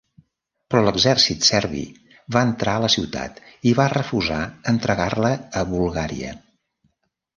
Però l'exèrcit serbi va entrar a la ciutat i va refusar entregar-la a Bulgària.